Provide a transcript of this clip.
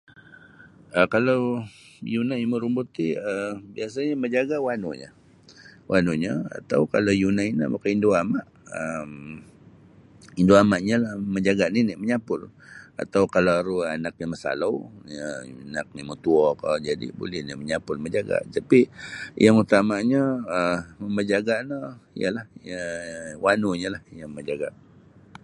um Kalau yunai marumbut ti um biasanyo mamajaga wanunyo wanunyo atau kalau yunai no maka indu ama' um indu amanyo lah mamajaga nini manyapul atau kalau aru anaknyo masalau anaknyo yang motuokah buli lah mamajaga tapi yang utamanyo um yang mamajaga no ialah wanunyolah yang mamajaga.